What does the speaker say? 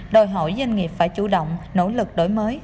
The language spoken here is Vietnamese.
đòi hỏi doanh nghiệp phải chủ động nỗ lực đổi mới